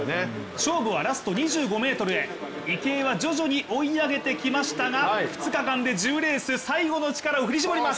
勝負はラスト２５ｍへ池江は徐々に追い上げてきましたが２日間で１０レース最後の力を振り絞ります！